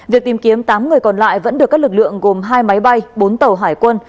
việc tìm kiếm tám người còn lại vẫn được các lực lượng gồm hai máy bay bốn tàu hải quân